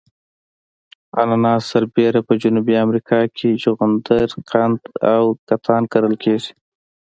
اناناس سربېره په جنوبي امریکا کې جغندر قند او کتان کرل کیږي.